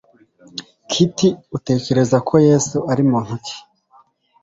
kiti utekereza ko yesu ari muntu ki